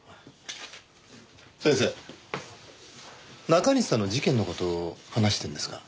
中西さんの事件の事を話してるんですが。